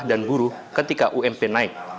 pemerintah dan buruh ketika ump naik